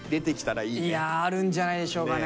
あるんじゃないでしょうかね